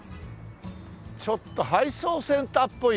ちょっと配送センターっぽいな。